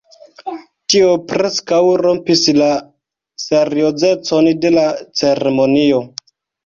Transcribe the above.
Tio preskaŭ rompis la seriozecon de la ceremonio.